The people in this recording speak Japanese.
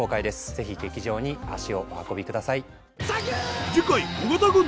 是非劇場に足をお運びください。